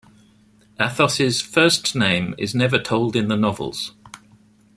Athos's first name is never told in the novels.